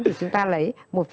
thì chúng ta lấy một sáu mươi tám